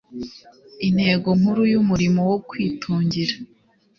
Intego Nkuru yUmurimo wo Kwitungira